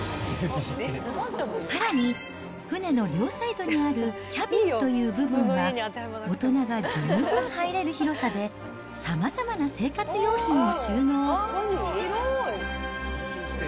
さらに、船の両サイドにあるキャビンという部分は、大人が十分入れる広さで、さまざまな生活用品を収納。